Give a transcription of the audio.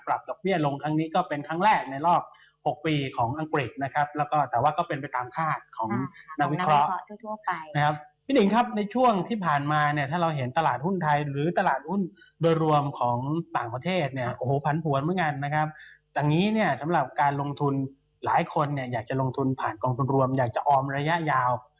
อังกฤษนะครับแต่ว่าก็เป็นไปตามคาดของนักวิเคราะห์ทั่วไปนะครับพี่ดิงครับในช่วงที่ผ่านมาเนี่ยถ้าเราเห็นตลาดหุ้นไทยหรือตลาดหุ้นโดยรวมของต่างประเทศเนี่ยโอ้โหผันฝวนเหมือนกันนะครับแต่งี้เนี่ยสำหรับการลงทุนหลายคนเนี่ยอยากจะลงทุนผ่านกองทุนรวมอยากจะออมระยะยาว